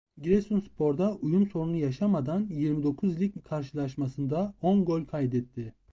Giresunspor'da uyum sorunu yaşamadan yirmi dokuz lig karşılaşmasında on gol kaydetti.